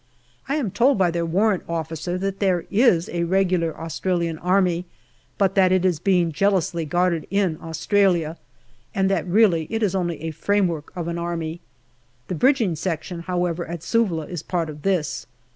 I am told by their warrant officer that there is a regular Australian Army, but that it is being jealously guarded in Australia, and that really it is only a framework of an army. The bridging section, however, at Suvla is part of this.